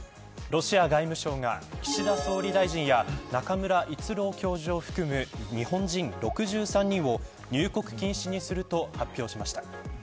ロシア外務省が岸田総理大臣や中村逸郎教授を含め日本人６３人を入国禁止にすると発表しました。